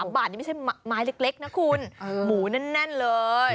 บาทนี่ไม่ใช่ไม้เล็กนะคุณหมูแน่นเลย